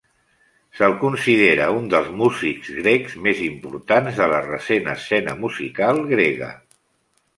Se'l considera un dels músics grecs més importants de la recent escena musical grega.